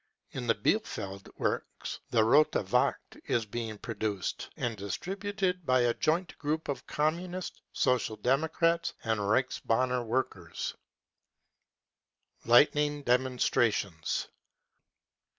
In the Bielefeld works the Rote Wacht is being produced and distributed by a joint group of Communist, Social Democratic and Reichsbanner workers. Lightning Demonstrations."